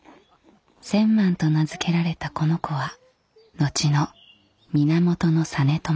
千幡と名付けられたこの子は後の源実朝。